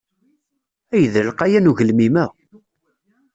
Ay d alqayan ugelmim-a!